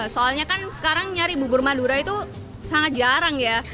soalnya kan sekarang nyari bubur madura itu sangat jarang ya